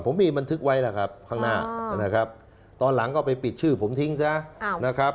ผมมีบันทึกไว้นะครับข้างหน้านะครับตอนหลังก็ไปปิดชื่อผมทิ้งซะนะครับ